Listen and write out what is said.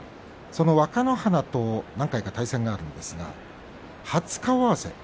その若乃花と何回か対戦がありました初顔合わせ